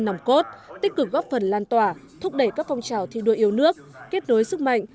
nòng cốt tích cực góp phần lan tỏa thúc đẩy các phong trào thi đua yêu nước kết nối sức mạnh